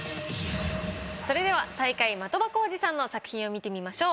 それでは最下位的場浩司さんの作品を見てみましょう。